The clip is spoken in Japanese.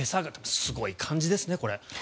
すごい漢字ですねこれ。